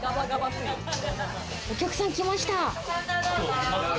お客さん来ました。